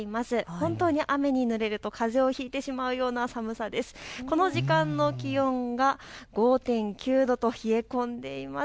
本当に雨にぬれるとかぜをひいてしまうような寒さです。